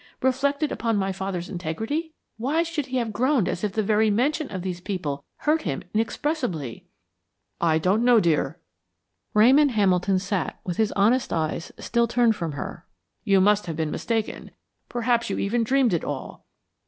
reflected upon father's integrity? Why should he have groaned as if the very mention of these people hurt him inexpressibly?" "I don't know, dear." Ramon Hamilton sat with his honest eyes still turned from her. "You must have been mistaken; perhaps you even dreamed it all."